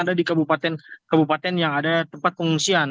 ada di kabupaten kabupaten yang ada tempat pengungsian